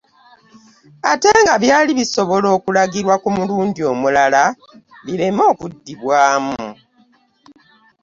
Ate nga byali bisobola okulagirwa ku mulundi omulala bireme kuddibwamu.